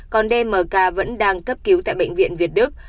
còn d m k vẫn đang cấp cứu tại bệnh viện việt đức